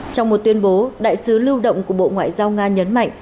trong một tuyên bố đại sứ lưu động của bộ ngoại giao nga nhấn mạnh